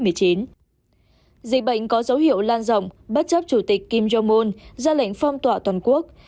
dịch bệnh có dấu hiệu lan rộng bất chấp chủ tịch kim jong un ra lệnh phong tỏa toàn quốc